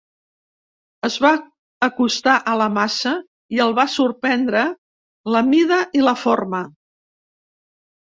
Es va acostar a la massa i el va sorprendre la mida i la forma.